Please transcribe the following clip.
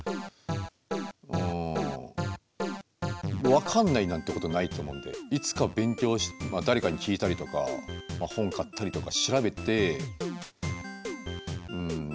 分かんないなんてことないと思うんでいつか勉強誰かに聞いたりとか本買ったりとか調べていつかはその壁越えるわけじゃないですか。